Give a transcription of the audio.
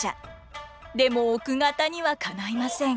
でも奥方にはかないません。